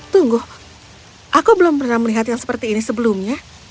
tunggu aku belum pernah melihat yang seperti ini sebelumnya